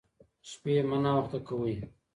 شپې مه ناوخته کوئ.